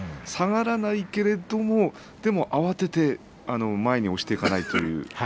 下がらないけれどでも慌てて前に押していかないという。